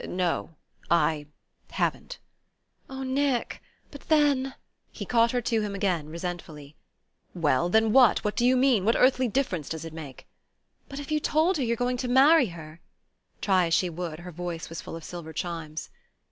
"No... I... haven't." "Oh, Nick! But then ?" He caught her to him again, resentfully. "Well then what? What do you mean? What earthly difference does it make?" "But if you've told her you were going to marry her " (Try as she would, her voice was full of silver chimes.)